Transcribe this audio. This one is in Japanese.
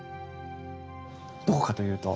どこかというと。